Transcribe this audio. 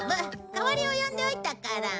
代わりを呼んでおいたから。